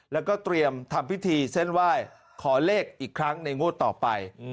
แล้วก็เตรียมทำพิธีเส้นไหว้ขอเลขอีกครั้งในงวดต่อไป